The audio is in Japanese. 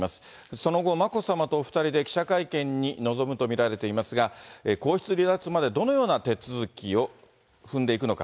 その後、眞子さまとお２人で記者会見に臨むと見られていますが、皇室離脱までどのような手続きを踏んでいくのか。